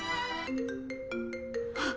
あっ。